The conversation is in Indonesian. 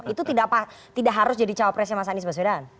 itu tidak harus jadi cawapresnya mas anies baswedan